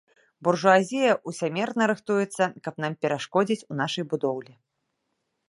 Буржуазія ўсямерна рыхтуецца, каб нам перашкодзіць у нашай будоўлі.